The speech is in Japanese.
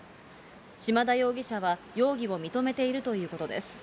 島田容疑者は容疑を認めているということです。